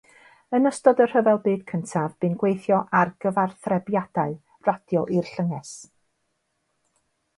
Yn ystod y Rhyfel Byd Cyntaf, bu'n gweithio ar gyfathrebiadau radio i'r llynges.